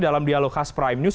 dalam dialog khas prime news